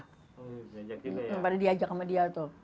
daripada diajak sama dia tuh